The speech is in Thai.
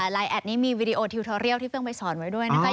ใช่ค่ะไลน์แอดนี้มีวิดีโอทิวทอเรียลที่เฟืองไปสอนไว้ด้วยนะครับ